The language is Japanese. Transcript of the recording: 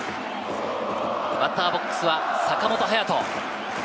バッターボックスは坂本勇人。